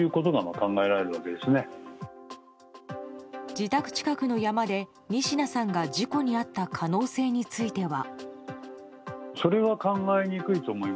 自宅近くの山で仁科さんが事故に遭った可能性については。